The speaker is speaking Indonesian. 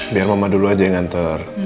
biar mama dulu aja yang nganter